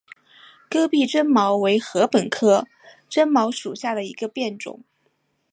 戈壁针茅为禾本科针茅属下的一个变种。